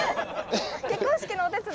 結婚式のお手伝い？